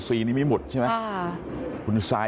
สวัสดีครับคุณผู้ชาย